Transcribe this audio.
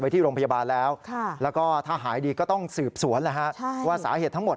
ที่โรงพยาบาลแล้วแล้วก็ถ้าหายดีก็ต้องสืบสวนว่าสาเหตุทั้งหมด